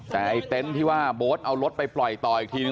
แต่ไอ้เต็นต์ที่ว่าโบ๊ทเอารถไปปล่อยต่ออีกทีนึ